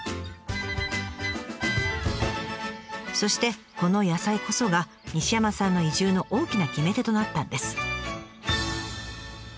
そしてこの野菜こそが西山さんの移住の大きな決め手となったんです。